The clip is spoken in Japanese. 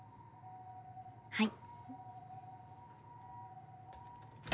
はい。